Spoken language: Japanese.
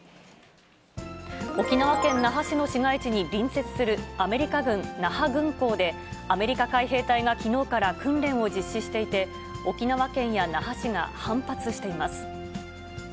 沖縄県那覇市の市街地に隣接するアメリカ軍那覇軍港で、アメリカ海兵隊がきのうから訓練を実施していて、沖縄県や那覇市が反発しています。